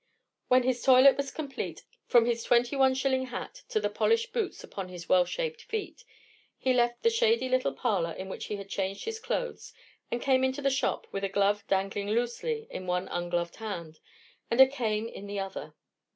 When his toilet was complete, from his twenty one shilling hat to the polished boots upon his well shaped feet, he left the shady little parlour in which he had changed his clothes, and came into the shop, with a glove dangling loosely in one ungloved hand, and a cane in the other.